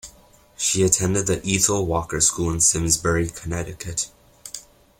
She attended The Ethel Walker School in Simsbury, Connecticut.